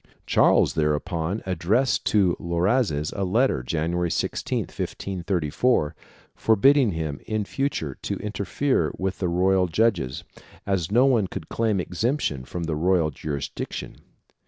Charles thereupon addressed to Loazes a letter, January 16, 1534, forbidding him in future to interfere with the royal judges, as no one could claim exemption from the royal jurisdiction.